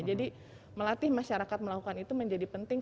jadi melatih masyarakat melakukan itu menjadi penting